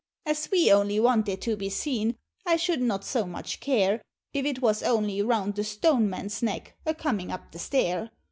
As we only want it to be seen, I should not so much care, If it was only round the stone man's neck, a coming up the stair.